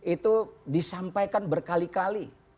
itu disampaikan berkali kali